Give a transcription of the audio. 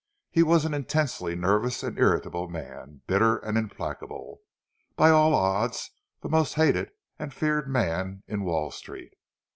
He was an intensely nervous and irritable man, bitter and implacable—by all odds the most hated and feared man in Wall Street.